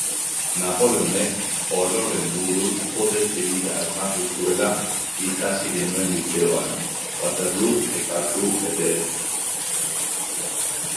Napoleonek, ororen buru, kode zibila asmatu zuela ikasi genuen lizeoan. Waterloo aipatu ere ez...